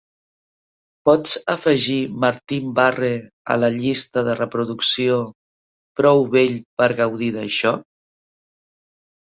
Pots afegir Martin Barre a la llista de reproducció "Prou vell per gaudir d'això"?